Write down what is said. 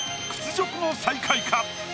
屈辱の最下位か？